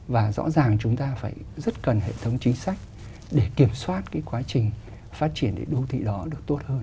và rõ ràng chúng ta phải rất cần hệ thống chính sách để kiểm soát cái quá trình phát triển đô thị đó được tốt hơn